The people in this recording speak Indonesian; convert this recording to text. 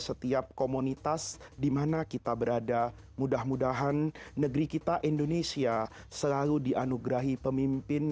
setiap komunitas dimana kita berada mudah mudahan negeri kita indonesia selalu dianugerahi pemimpin